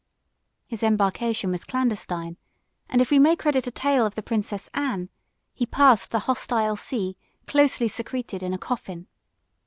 His embarkation was clandestine: and, if we may credit a tale of the princess Anne, he passed the hostile sea closely secreted in a coffin.